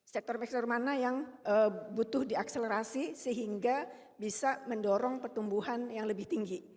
sektor sektor mana yang butuh diakselerasi sehingga bisa mendorong pertumbuhan yang lebih tinggi